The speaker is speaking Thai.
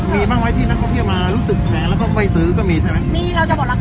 มีบ้างไหมที่นักคอมเที่ยวมารู้สึกแน่แล้วก็ไปซื้อก็มีใช่มั้ย